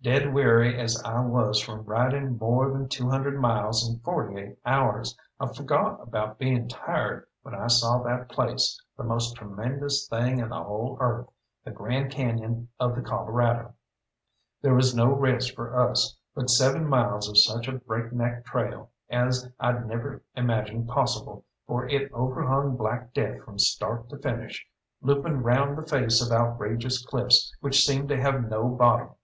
Dead weary as I was from riding more than two hundred miles in forty eight hours, I forgot about being tired when I saw that place, the most tremendous thing in the whole earth, the Grand Cañon of the Colorado. There was no rest for us, but seven miles of such a break neck trail as I'd never imagined possible, for it overhung black death from start to finish, looping round the face of outrageous cliffs which seemed to have no bottom.